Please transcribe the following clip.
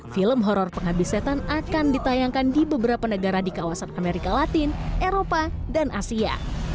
film horror penghabis setan akan ditayangkan di beberapa negara di kawasan amerika latin eropa dan asia